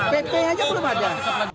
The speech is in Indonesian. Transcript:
pp aja belum ada